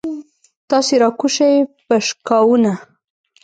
تاسې راکوز شئ پشکاوونه.